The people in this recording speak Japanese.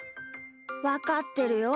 わかってるよ。